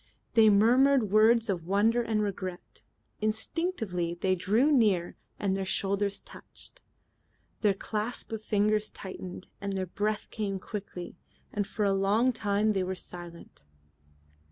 They murmured words of wonder and regret. Instinctively they drew near and their shoulders touched. Their clasp of fingers tightened and their breath came quickly, and for a long time they were silent.